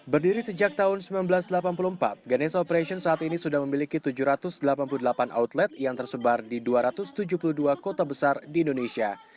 berdiri sejak tahun seribu sembilan ratus delapan puluh empat ganesha operation saat ini sudah memiliki tujuh ratus delapan puluh delapan outlet yang tersebar di dua ratus tujuh puluh dua kota besar di indonesia